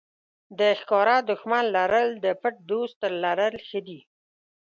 د ښکاره دښمن لرل د پټ دوست تر لرل ښه دي.